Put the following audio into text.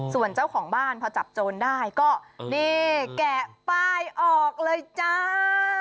ส่วนเจ้าของบ้านพอจับโจรได้ก็นี่แกะป้ายออกเลยจ้า